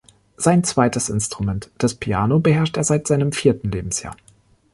Sein zweites Instrument, das Piano, beherrscht er seit seinem vierten Lebensjahr.